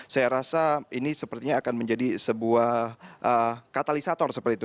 saya rasa ini sepertinya akan menjadi sebuah katalisator seperti itu